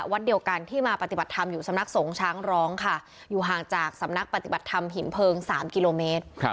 วัดเดียวกันที่มาปฏิบัติธรรมอยู่สำนักสงฆ์ช้างร้องค่ะอยู่ห่างจากสำนักปฏิบัติธรรมหินเพลิง๓กิโลเมตร